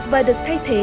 và được thay thế